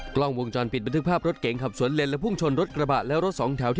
กล้องวงจรปิดบันทึกภาพรถเก๋งขับสวนเลนและพุ่งชนรถกระบะและรถสองแถว